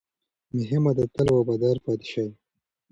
مهمه ده، تل وفادار پاتې شئ.